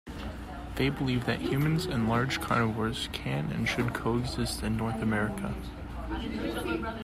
They believe that humans and large carnivores can and should co-exist in North America.